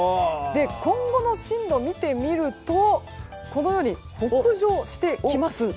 今後の進路を見てみると北上してきます。